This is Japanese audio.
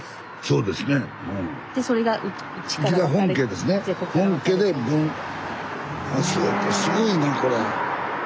すごいねこれ。